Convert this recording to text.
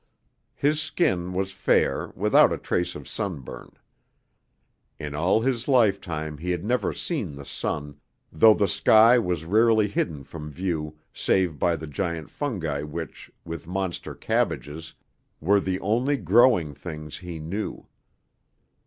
His skin was fair, without a trace of sunburn. In all his lifetime he had never seen the sun, though the sky was rarely hidden from view save by the giant fungi which, with monster cabbages, were the only growing things he knew.